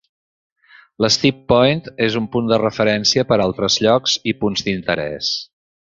L'Steep Point és un punt de referència per a altres llocs i punts d'interès.